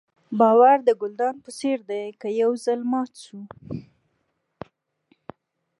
باور د ګلدان په څېر دی که یو ځل مات شو.